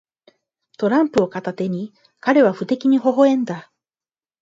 トランプを片手に、彼は不敵にほほ笑んだ。